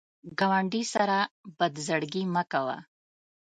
ګاونډي سره بد زړګي مه کوه